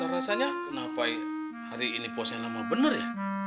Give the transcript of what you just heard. rasanya kenapa hari ini puasanya lama bener ya